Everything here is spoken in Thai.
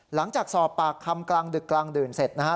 หลังจากสอบปากคำกลางดึกกลางดื่นเสร็จนะฮะ